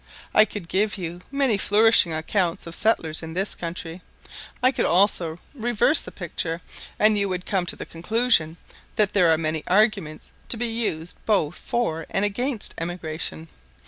I could give you many flourishing accounts of settlers in this country; I could also reverse the picture, and you would come to the conclusion that there are many arguments to be used both for and against emigration.